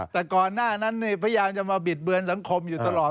แต่ก่อนหน้านั้นพยายามจะมาบิดเบือนสังคมอยู่ตลอด